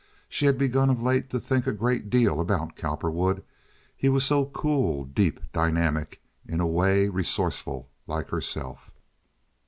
She had begun of late to think a great deal about Cowperwood. He was so cool, deep, dynamic, in a way resourceful, like herself.